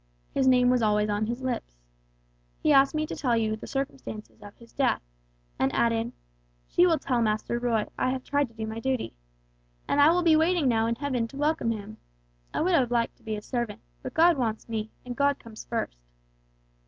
His name was always on his lips. He asked me to tell you the circumstances of his death, and added, 'She will tell Master Roy, I have tried to do my duty. And I will be waiting now in heaven to welcome him. I would have liked to be his servant, but God wants me, and God comes first.'